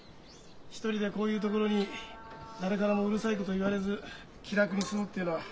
一人でこういう所に誰からもうるさいこと言われず気楽に住むっていうのは。